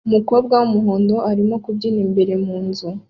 Umukobwa wumuhondo arimo kubyina imbere munzu